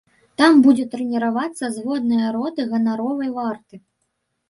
Там будзе трэніравацца зводная роты ганаровай варты.